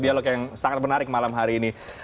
dialog yang sangat menarik malam hari ini